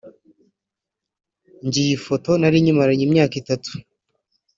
njye iyi foto nari nyimaranye imyaka itatu